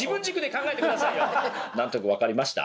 何となく分かりました？